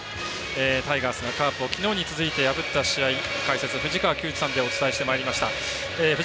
タイガースがカープを昨日に続いて破った試合解説、藤川球児さんでお伝えしてまいりました。